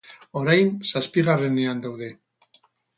Orain, zazpigarrenean daude.